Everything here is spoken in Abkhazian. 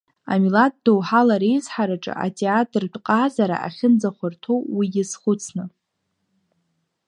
Амилаҭ доуҳала реизҳараҿы атеатртә ҟазара ахьынӡахәарҭоу уи иазхәыцны.